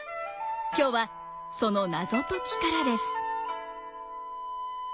今日はその謎解きからです。